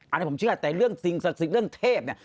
อันนี้ผมเชื่อแต่เรื่องศาสนภพภูมิเรื่องเทพเนี่ย